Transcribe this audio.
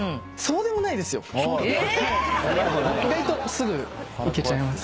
意外とすぐいけちゃいます。